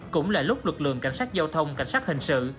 cũng là lúc lực lượng cảnh sát giao thông cảnh sát hình sự